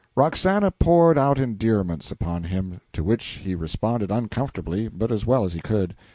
Roxana poured out endearments upon him, to which he responded uncomfortably, but as well as he could.